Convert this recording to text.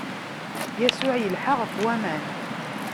Yasuɛ ilḥa ɣef waman.